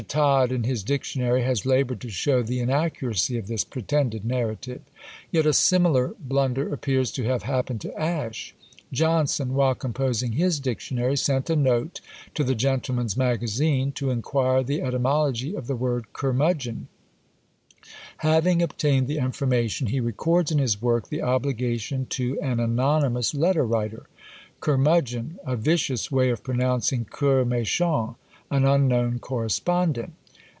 Todd, in his Dictionary, has laboured to show the "inaccuracy of this pretended narrative." Yet a similar blunder appears to have happened to Ash. Johnson, while composing his Dictionary, sent a note to the Gentleman's Magazine to inquire the etymology of the word curmudgeon. Having obtained the information, he records in his work the obligation to an anonymous letter writer. "Curmudgeon, a vicious way of pronouncing coeur méchant. An unknown correspondent."